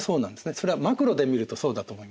それはマクロで見るとそうだと思います。